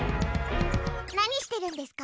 何してるんですか？